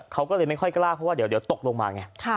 เขาก็เลยไม่ค่อยกล้าเพราะว่าเดี๋ยวตกลงมาไง